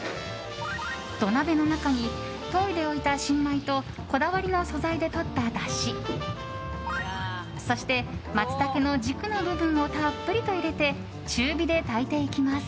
土鍋の中に、研いでおいた新米とこだわりの素材でとっただしそして、マツタケの軸の部分をたっぷりと入れて中火で炊いていきます。